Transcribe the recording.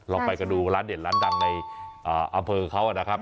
ไปกันดูร้านเด่นร้านดังในอำเภอเขานะครับ